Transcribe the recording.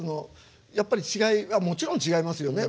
やっぱり違いはもちろん違いますよね？